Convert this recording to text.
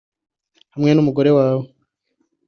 Hamwe n’umugabo we